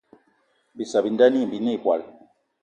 Bissa bi nda gnî binê ìbwal